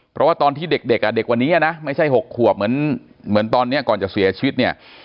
เพราะว่าตอนที่เด็กอ่ะเด็กวันนี้นะไม่ใช่๖ขวบเหมือนตอนนี้ก่อนจะเสียชีวิตเนี่ย